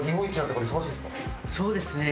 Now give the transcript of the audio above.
そうですね。